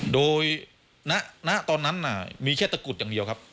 โดยณตอนนั้นมีแค่ตะกุดอย่างเดียวครับ